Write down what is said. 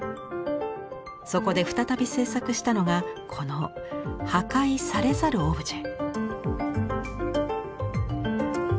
そこで再び制作したのがこの「破壊されざるオブジェ」。